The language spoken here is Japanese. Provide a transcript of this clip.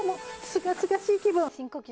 すがすがしい気分。